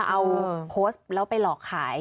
เอาโพสต์แล้วไปหลอกขาย